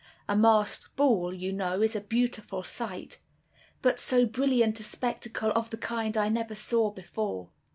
A masked ball, you know, is a beautiful sight; but so brilliant a spectacle of the kind I never saw before.